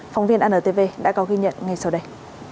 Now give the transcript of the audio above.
phóng viên antv đã có ghi nhận ngay sau đây